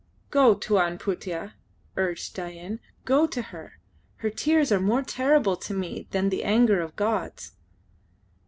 "Go, Tuan Putih," urged Dain. "Go to her; her tears are more terrible to me than the anger of gods."